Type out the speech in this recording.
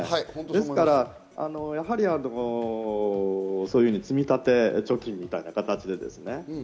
ですからやはり積み立て貯金みたいな形でですね、